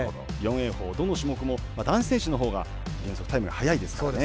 ４泳法、どの種目も男子選手のほうが原則、タイムが速いですからね。